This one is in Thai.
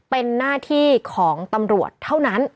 เป็นหน้าที่ของตำรวจเท่านั้น